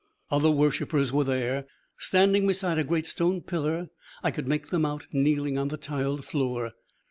Other worshipers were there. Standing beside a great stone pillar I could make them out kneeling on the tiled floor.